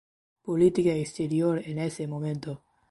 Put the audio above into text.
Política exterior en ese momento.